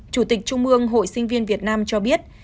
chủ tịch trung ương hội sinh viên việt nam cho biết